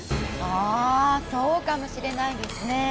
あそうかもしれないですねぇ。